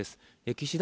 岸田